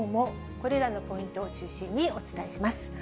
これらのポイントを中心にお伝えします。